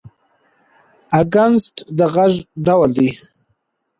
اکسنټ د غږ ډول دی.